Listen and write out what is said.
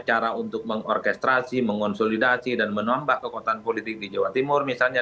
cara untuk mengorkestrasi mengonsolidasi dan menambah kekuatan politik di jawa timur misalnya